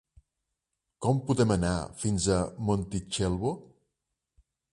Com podem anar fins a Montitxelvo?